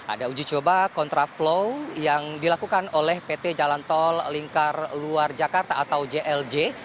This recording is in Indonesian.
ada uji coba kontraflow yang dilakukan oleh pt jalan tol lingkar luar jakarta atau jlj